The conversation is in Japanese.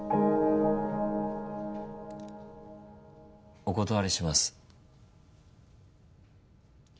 お断りします。